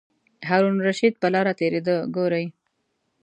هارون الرشید په لاره تېرېده ګوري.